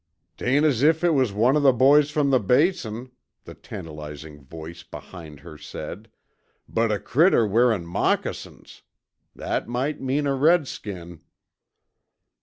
"'Tain't as if it was one of the boys from the Basin," the tantalizing voice behind her said, "but a critter wearin' moccasins! That might mean a redskin."